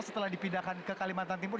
setelah dipindahkan ke kalimantan timur